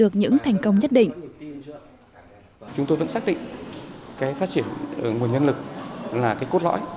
chúng tôi vẫn xác định phát triển nguồn nhân lực là cốt lõi